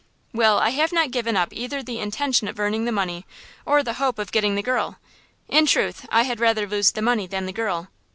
"Well, I have not given up either the intention of earning the money or the hope of getting the girl; in truth, I had rather lose the money than the girl.